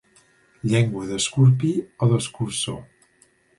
Llengua d'escorpí o d'escurçó.